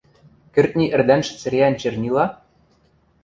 – кӹртни ӹрдӓнгшӹ цӹреӓн чернила?